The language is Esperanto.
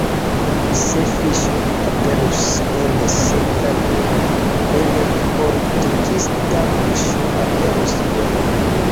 Se fiŝo ekaperus el seka rivero, el politikista buŝo aperus vero.